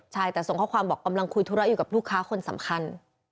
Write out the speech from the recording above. ใช่แต่ส่งข้อความบอกกำลังคุยธุระอยู่กับลูกค้าคนสำคัญ